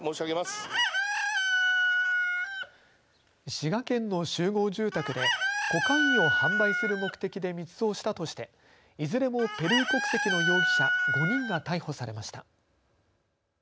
滋賀県の集合住宅でコカインを販売する目的で密造したとしていずれもペルー国籍の容疑者５人が逮捕されました。